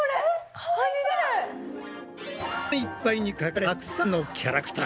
黒板いっぱいに描かれたたくさんのキャラクター。